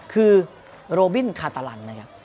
คือโรบินคาตาลันนะครับ